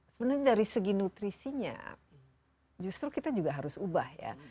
sebenarnya dari segi nutrisinya justru kita juga harus ubah ya